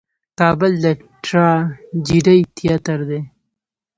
کابل د ټراجېډي تیاتر دی.